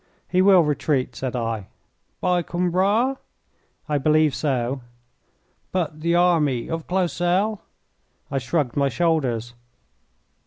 "He will retreat," said I. "By Coimbra?" "I believe so." "But the army of Clausel?" I shrugged my shoulders.